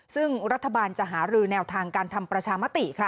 ซึ่งรัฐบาลจะหารือแนวทางการทำประชามติค่ะ